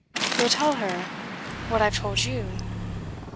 You'll tell her what I've told you?